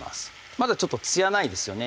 まだちょっとつやないですよね